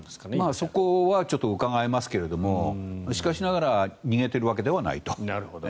そこはうかがえますけどもしかしながら逃げているわけではないと。